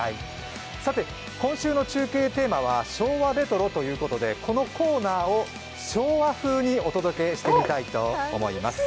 今週の中継テーマは昭和レトロということでこのコーナーを昭和風にお届けしてみたいと思います。